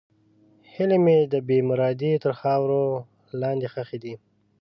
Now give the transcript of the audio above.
هیلې مې د بېمرادۍ تر خاورو لاندې ښخې دي.